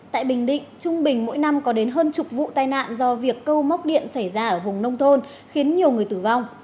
tại bình định trung bình mỗi năm có đến hơn chục vụ tai nạn do việc câu móc điện xảy ra ở vùng nông thôn khiến nhiều người tử vong